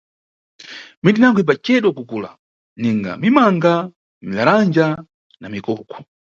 Miti inango imbacedwa kukula, ninga mimanga, milalanja na mikoko.